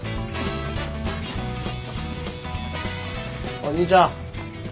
おい兄ちゃん。